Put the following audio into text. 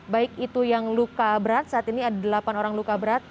baik itu yang luka berat saat ini ada delapan orang luka berat